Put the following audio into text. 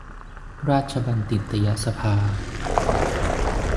ราชบัณฑิตยสภา